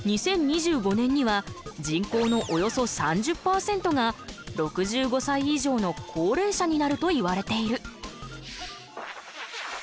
２０２５年には人口のおよそ３０％が６５さい以上の高齢者になるといわれている。